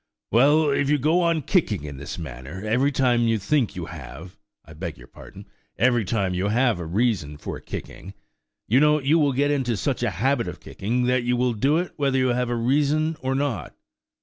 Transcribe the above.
"Well, if you go on kicking in this manner, every time you think you have–I beg your pardon–every time you have a reason for kicking, you know, you will get into such a habit of kicking, that you will do it whether you have a reason or not."